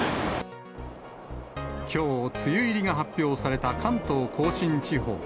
きょう梅雨入りが発表された関東甲信地方。